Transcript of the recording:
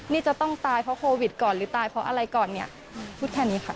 นี่จะต้องตายเพราะโควิดก่อนหรือตายเพราะอะไรก่อนเนี่ยพูดแค่นี้ค่ะ